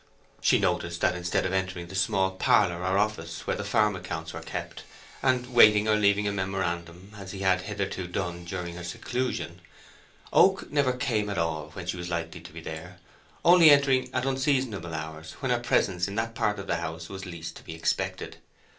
She noticed that instead of entering the small parlour or office where the farm accounts were kept, and waiting, or leaving a memorandum as he had hitherto done during her seclusion, Oak never came at all when she was likely to be there, only entering at unseasonable hours when her presence in that part of the house was least to be expected.